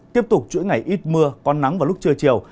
tiếp tục chuỗi ngày ít mưa có nắng vào lúc trưa chiều